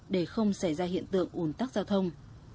để không xảy ra hiện tượng ủn tắc giao thông